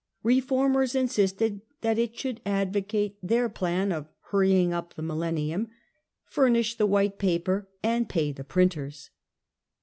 Reformers insisted that it should advocate their plan of hurrying up the millenium, furnish the white paper and pay the printers.